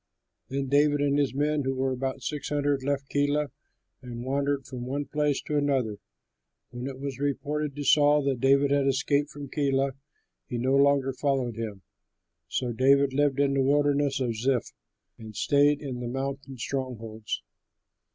Then David and his men, who were about six hundred, left Keilah, and wandered from one place to another. When it was reported to Saul that David had escaped from Keilah, he no longer followed him. So David lived in the Wilderness of Ziph and stayed in the mountain strongholds.